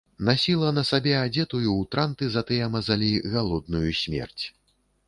Насіла на сабе адзетую ў транты за тыя мазалі галодную смерць.